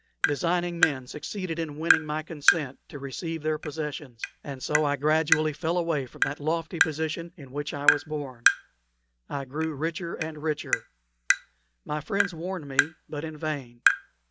Designing men succeeded in winning my consent to receive their possessions; and so I gradually fell away from that lofty position in which I was born. I grew richer and richer. My friends warned me, but in vain.